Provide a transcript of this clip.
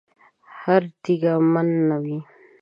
هره تېږه من نه ده.